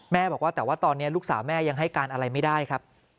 บอกว่าแต่ว่าตอนนี้ลูกสาวแม่ยังให้การอะไรไม่ได้ครับ